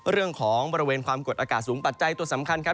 เรื่องของบริเวณความกดอากาศสูงปัจจัยตัวสำคัญครับ